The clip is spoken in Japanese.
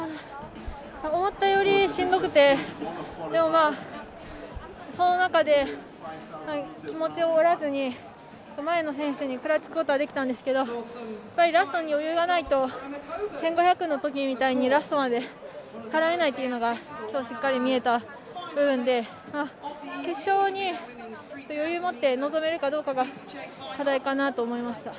思ったよりしんどくてでも、その中で気持ちを折らずに前の選手に食らいつくことはできたんですけどラストに余裕がないと１５００のときみたいにラストまで耐えられないのが、今日のレースの課題で決勝に余裕を持って臨めるかどうかが課題かなと思いました。